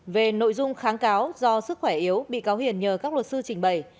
về nội dung kháng cáo do sức khỏe yếu bị cáo hiền nhờ các luật sư trình bày